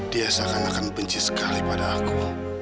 dia seakan akan benci sekali pada aku